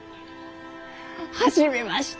初めまして！